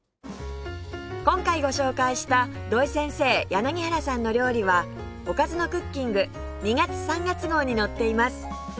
今回ご紹介した土井先生柳原さんの料理は『おかずのクッキング』２月３月号に載っています